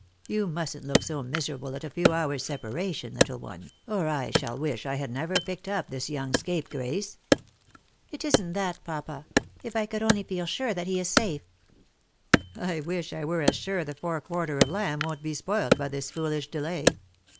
You mustn't look so miserable at a few hours' separation, little one, or I shall wish I had never picked up this young scapegrace." " It isn't that, papa. If I could only feel sure that he is safe." " I wish I were as sure the forequarter of lamb won't be spoilt by this foolish delay.